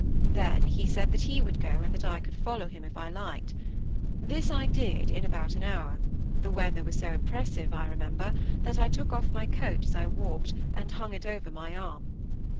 Then he said that he would go, and that I could follow him if I liked. This I did in about an hour; the weather was so oppressive, I remember, that I took off my coat as I walked, and hung it over my arm.